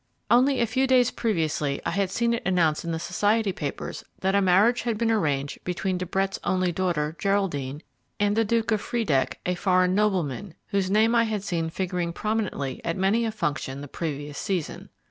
Only a few days previously I had seen it announced in the society papers that a marriage had been arranged between De Brett's only daughter, Geraldine, and the Duke of Friedeck, a foreign nobleman, whose name I had seen figuring prominently at many a function the previous season.